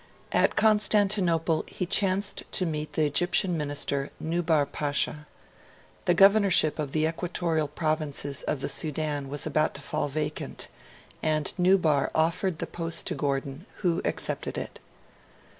At Constantinople, he chanced to meet the Egyptian minister, Nubar Pasha. The Governorship of the Equatorial Provinces of the Sudan was about to fall vacant; and Nubar offered the post to Gordon, who accepted it.